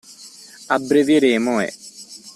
Abbrevieremmo e.